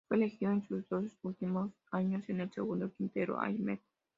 Fue elegido en sus dos últimos años en el segundo quinteto All-Met.